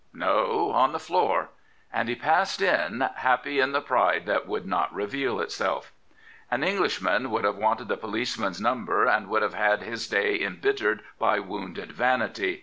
" No, on the floor." And he passed in, happy in the pride that would not reveal itself. An Englishman would have wanted the policeman's number, and would have had his day embjttered by wounded vanity.